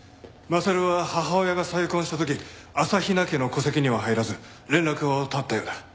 優は母親が再婚した時朝比奈家の戸籍には入らず連絡を絶ったようだ。